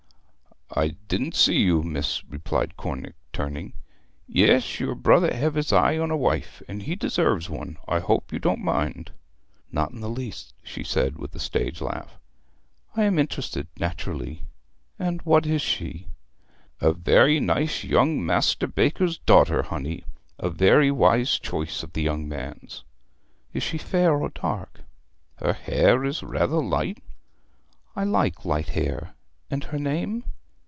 'I didn't see you, miss,' replied Cornick, turning. 'Yes, your brother hev' his eye on a wife, and he deserves one. I hope you don't mind?' 'Not in the least,' she said, with a stage laugh. 'I am interested, naturally. And what is she?' 'A very nice young master baker's daughter, honey. A very wise choice of the young man's.' 'Is she fair or dark?' 'Her hair is rather light.' 'I like light hair; and her name?'